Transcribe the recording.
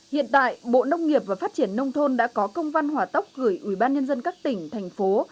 hiện tại bộ nông nghiệp và phát triển nông thôn đã có công văn hỏa tốc gửi ubnd các tỉnh thành phố